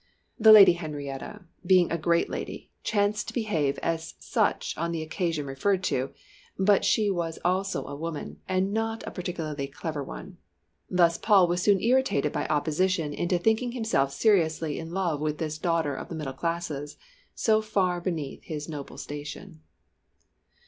The Lady Henrietta, being a great lady, chanced to behave as such on the occasion referred to but she was also a woman, and not a particularly clever one. Thus Paul was soon irritated by opposition into thinking himself seriously in love with this daughter of the middle classes, so far beneath his noble station.